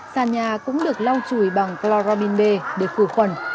sàn nhà cũng được lau chùi bằng cloramin b để phù khuẩn